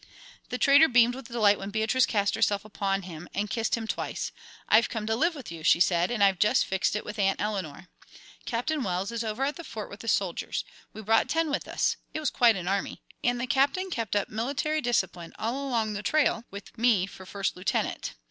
The trader beamed with delight when Beatrice cast herself upon him and kissed him twice. "I've come to live with you," she said, "and I've just fixed it with Aunt Eleanor. Captain Wells is over at the Fort with the soldiers. We brought ten with us it was quite an army, and the Captain kept up military discipline all along the trail, with me for First Lieutenant.